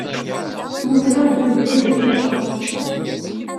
Mugreɣ-d Yuba deg Tuber.